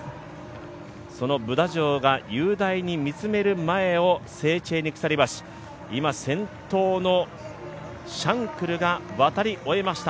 そのブダ城が雄大に見つめる前をセーチェーニ鎖橋、今、先頭のシャンクルが渡り終えました。